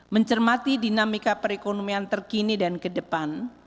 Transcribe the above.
mencermati dinamika perekonomian terkini dan ke depan